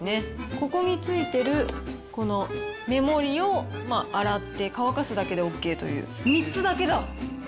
ここについてるこのメモリを洗って乾かすだけでＯＫという、３つだけだ。